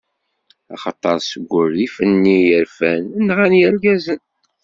Axaṭer seg urrif-nni i rfan, nɣan irgazen;